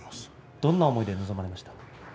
どんな思いで臨みましたか？